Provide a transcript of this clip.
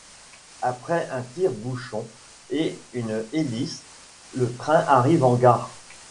Après un tire-bouchon et une hélice, le train arrive à la gare.